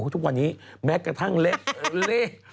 ทุกวันนี้แม้กระทั่งเลข